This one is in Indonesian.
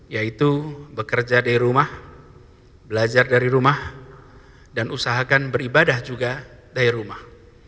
yaitu bekerja dari rumah belajar dari rumah dan usahakan beribadah juga dari rumah